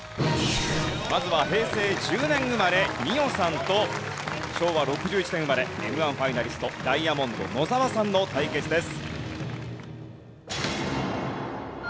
まずは平成１０年生まれ美緒さんと昭和６１年生まれＭ−１ファイナリストダイヤモンド野澤さんの対決です。